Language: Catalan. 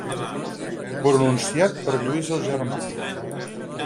Pronunciat per Lluís el Germànic.